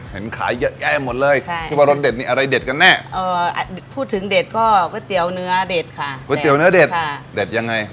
เห็นขายเยอะแยะหมดเลยคิดว่ารสเด็ดนี่อะไรเด็ดกันแน่พูดถึงเด็ดก็ก๋วยเตี๋ยวเนื้อเด็ดค่ะก๋วยเตี๋ยเนื้อเด็ดค่ะเด็ดยังไง